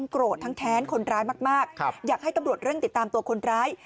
โกรธทั้งแค้นคนร้ายมากอยากให้ตำรวจเร่งติดตามตัวคนร้าย